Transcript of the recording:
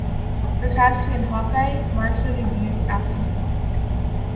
Her casting in "Hawkeye" marks her debut acting role.